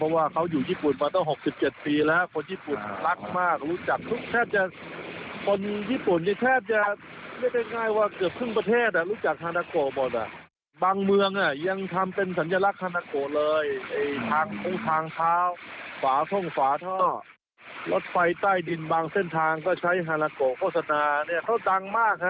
รถไฟใต้ดินบางเส้นทางก็ใช้ฮานาโกะโฟสนาเนี่ยเขาดังมากครับเป็นงานที่ดังที่สุดในประเทศญี่ปุ่น